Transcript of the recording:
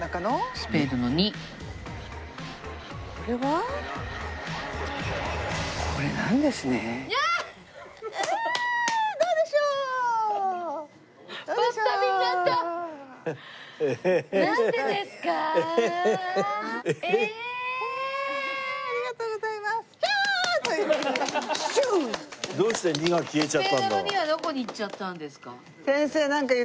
スペードの２はどこに行っちゃったんですか？